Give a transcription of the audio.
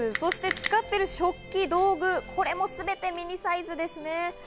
使っている食器、道具もすべてミニサイズですね。